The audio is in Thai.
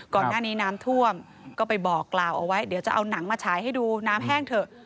ก่อนหน้านี้น้ำท่วมก็ไปบอกกล่าวเอาไว้เดี๋ยวจะเอาหนังมาฉายให้ดูน้ำแห้งเถอะ